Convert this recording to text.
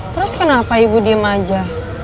terus kenapa ibu diem aja